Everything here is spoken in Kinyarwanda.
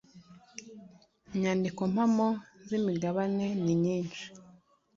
Inyandiko mpamo z’ imigabane ninyishi.